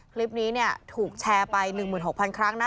คลิปนี้ถูกแชร์ไป๑๖๐๐ครั้งนะ